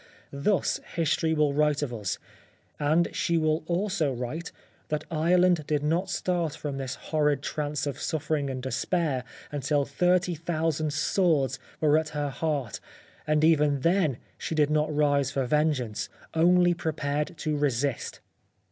Thus history will write of us. And she will also write, that Ireland did not start from this horrid trance of suffering and despair until 30,000 swords were at her heart, and even then she did not rise for vengeance, only prepared to resist.